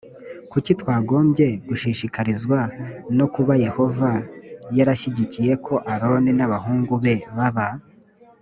kuki twagombye gushishikazwa no kuba yehova yarashyigikiye ko aroni n abahungu be baba